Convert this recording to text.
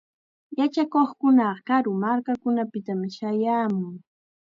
Yachakuqkunaqa karu markakunapitam shayaamun.